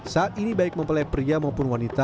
saat ini baik mempelai pria maupun wanita